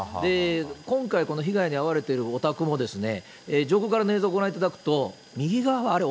今回、この被害に遭われているお宅も、上空からの映像をご覧いただくと、右側はあれ、